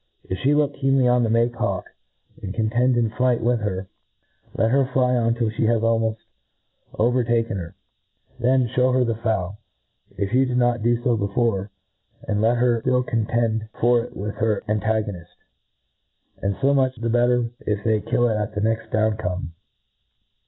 If ftie look keenly on the make hawk, and contend in flight with her, let her fly on till fhe has almoft over taken her. Then fhew her the fowl, if you did not fo before, and let her flill contend for it with her antagonift ; and fo much the better if they kill it at the next down come.